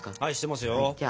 はいしてますよ。